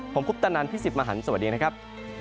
ผมกุ๊ปตานานพี่สิบมหันสวัสดีนะครับ